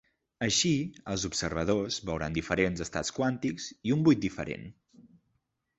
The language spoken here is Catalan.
Així, els observadors veuran diferents estats quàntics i un buit diferent.